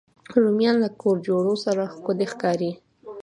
رومیان له کور جوړو سره ښکلي ښکاري